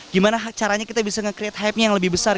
gimana caranya kita bisa nge create hype nya yang lebih besar